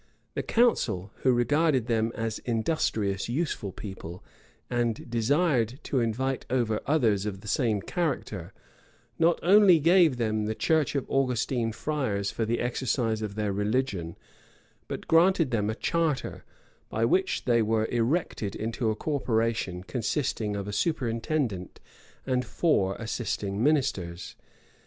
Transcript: The council, who regard them as industrious, useful people, and desired to invite over others of the same character, not only gave them the church of Augustine Friars for the exercise of their religion, but granted them a charter, by which they were erected into a corporation, consisting of a superintendent and four assisting ministers.